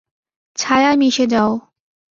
ছায়ায় মিশে যাও।